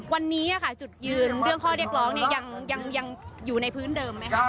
วันนี้จุดยืนเรื่องข้อเรียกร้องเนี่ยยังอยู่ในพื้นเดิมไหมคะ